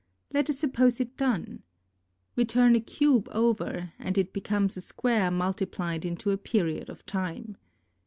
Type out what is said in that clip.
Let us suppose it done. We turn a cube over, and it becomes a square multiplied into a period of time.